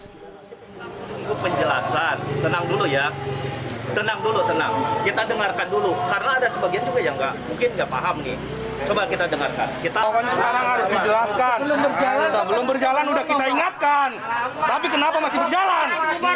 sekarang harus dijelaskan sebelum berjalan sudah kita ingatkan tapi kenapa masih berjalan